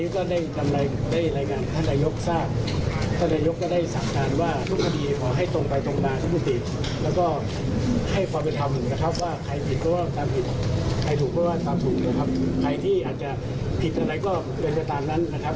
แต่อะไรก็เป็นตามนั้นนะครับ